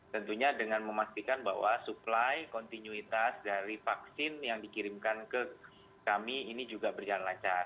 tentunya dengan memastikan bahwa supply kontinuitas dari vaksin yang dikirimkan ke kami ini juga berjalan lancar